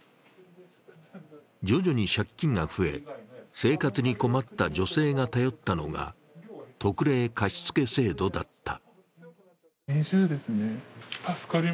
徐々に借金が増え、生活に困った女性が頼ったのが特例貸付制度だった。